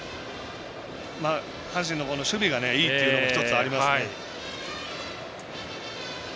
阪神の守備がいいというのも１つ、ありますね。